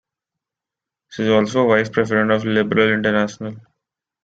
She is also a vice president of Liberal International.